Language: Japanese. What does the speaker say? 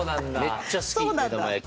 めっちゃ好き目玉焼き。